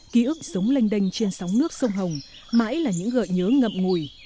ký ức sống lanh đênh trên sóng nước sông hồng mãi là những gợi nhớ ngậm ngùi